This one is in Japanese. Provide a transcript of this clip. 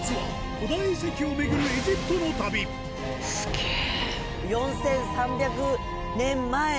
古代遺跡を巡るエジプトの旅スゲェ！